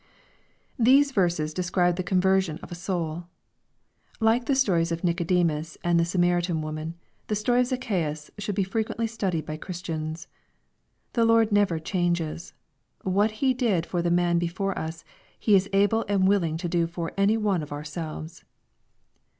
These verses describe the conversion of a souL Like the stories of Nicodemus, and the Samaritan woman, the ; story of ZacchaBUs should be frequently studied by Chris \ tians. The Lord Jesus never changes. What He did for the man befoie us, He is able and willing to do for any one of ourselves.